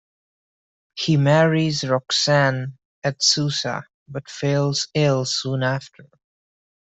He marries Roxane at Susa, but falls ill soon after.